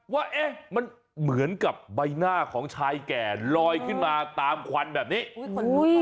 ว่าเอ๊ะมันเหมือนกับใบหน้าของชายแก่ลอยขึ้นมาตามควันแบบนี้